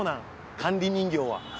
管理人業は。